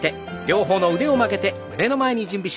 両方の腕を曲げて胸の前に。